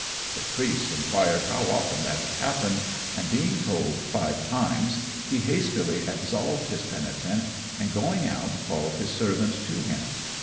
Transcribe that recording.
The Priest inquired how often that had happened; and being told five times, he hastily absolved his penitent, and going out called his servant to him.